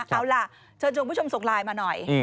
เอาล่ะเชิญชวนผู้ชมส่งไลน์มาหน่อย